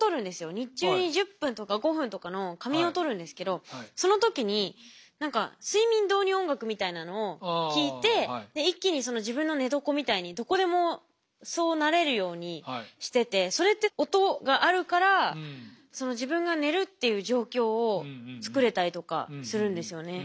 日中に１０分とか５分とかの仮眠をとるんですけどその時に何か睡眠導入音楽みたいなのを聴いて一気に自分の寝床みたいにどこでもそうなれるようにしててそれって音があるからその自分が寝るっていう状況を作れたりとかするんですよね。